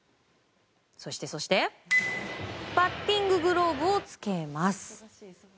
そして、バッティンググローブを着けます。